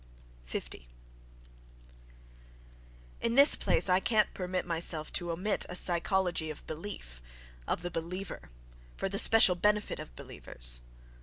— 50. —In this place I can't permit myself to omit a psychology of "belief," of the "believer," for the special benefit of "believers."